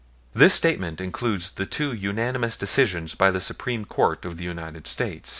This statement includes two unanimous decisions by the Supreme Court of the United States (U.